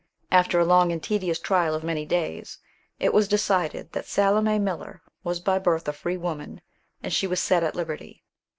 After a long and tedious trial of many days, it was decided that Salome Miller was by birth a free woman, and she was set at liberty.